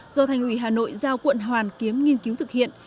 do thành ủy hà nội giao quận hoàn kiếm nghiên cứu thực hiện